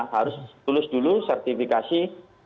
harus lulus dulu sertifikasi